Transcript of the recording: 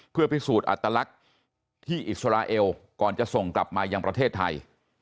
เพื่อพิสูจน์อัตลักษณ์ที่อิสราเอลก่อนจะส่งกลับมายังประเทศไทย